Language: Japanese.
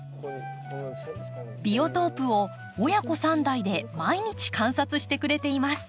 ビオトープを親子３代で毎日観察してくれています。